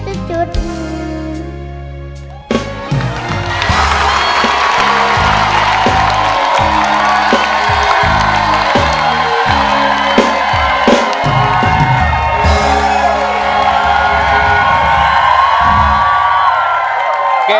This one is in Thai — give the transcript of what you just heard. เพื่อนที่จอดหัวชอบรวม